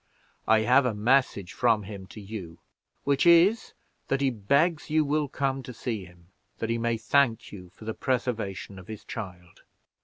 I have a message from him to you, which is, that he begs you will come to see him, that he may thank you for the preservation of his child."